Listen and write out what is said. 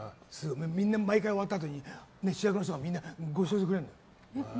みんな毎回終わったあとに主役の人がごちそうしてくれるの。